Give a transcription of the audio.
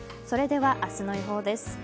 それでは明日の予報です。